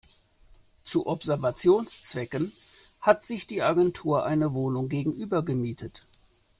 Zu Observationszwecken hat sich die Agentur eine Wohnung gegenüber gemietet.